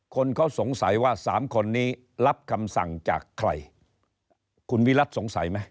คนเขาสงสัยว่าสามคนนี้รับคำสั่งจากใครคุณวิรัติสงสัยไหม